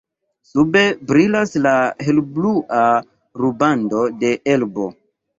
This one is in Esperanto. Sube brilas la helblua rubando de Elbo.